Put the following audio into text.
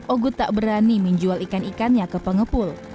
ogut tak berani menjual ikan ikannya ke pengepul